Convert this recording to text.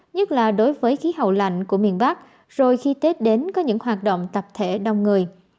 nhất là đối với khí hậu lạnh của miền bắc rồi khi tết đến có những hoạt động tập thể đông người